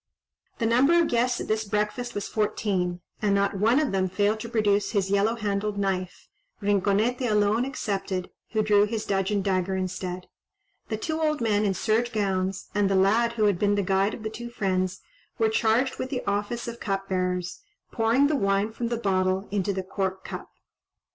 The number of guests at this breakfast was fourteen, and not one of them failed to produce his yellow handled knife, Rinconete alone excepted, who drew his dudgeon dagger instead. The two old men in serge gowns, and the lad who had been the guide of the two friends, were charged with the office of cupbearers, pouring the wine from the bottle into the cork cup.